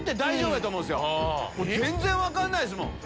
全然分かんないですもん。